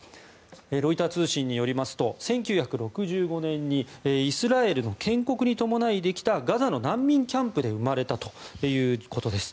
ロイター通信によりますと１９６５年にイスラエルの建国に伴いできたガザの難民キャンプで生まれたということです。